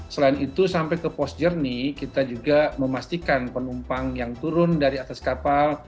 selain itu sampai ke post jernih kita juga memastikan penumpang yang turun dari atas kapal